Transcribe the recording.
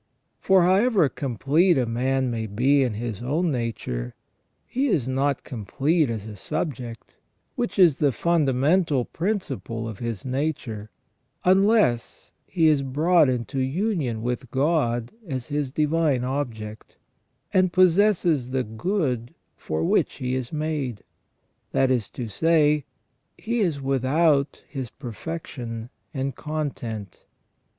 For however complete a man may be in his own nature, he is not complete as a subject, which is the fundamental principle of his nature, unless he is brought into union with God as His Divine Object, and possesses the good for which he is made ; that is to say, he is without his perfection and content.